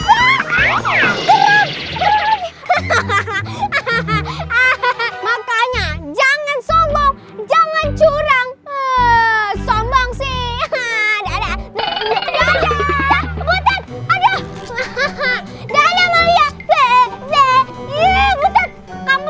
ah ah ah ah makanya jangan sombong jangan curang eh sombong sih ada ada